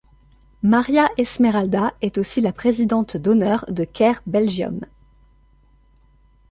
Maria-Esmeralda est aussi la présidente d'honneur de Care Belgium.